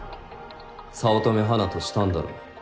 早乙女花としたんだろう？